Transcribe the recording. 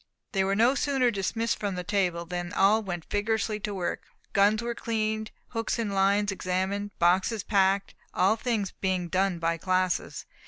They were no sooner dismissed from table than all went vigorously to work. Guns were cleaned hooks and lines examined boxes packed all things being done by classes.